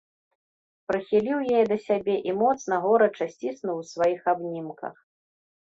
Прыхіліў яе да сябе і моцна, горача сціснуў у сваіх абнімках.